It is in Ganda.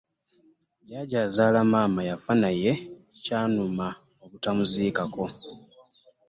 Jjajja azaala maama yafa naye kyannuma obutamuziikako!